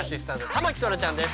田牧そらちゃんです。